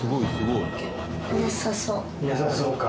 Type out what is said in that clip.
いなさそうか。